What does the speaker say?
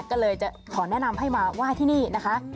ก็เลยจะขอแนะนำให้มาไหว้ที่นี่นะคะ